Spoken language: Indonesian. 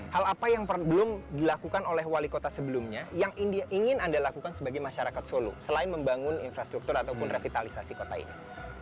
hal apa yang belum dilakukan oleh wali kota sebelumnya yang ingin anda lakukan sebagai masyarakat solo selain membangun infrastruktur ataupun revitalisasi kota ini